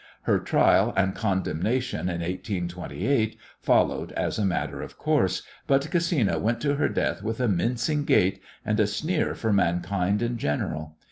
Her trial and condemnation in 1828 followed as a matter of course, but Gesina went to her death with a mincing gait, and a sneer for mankind in general.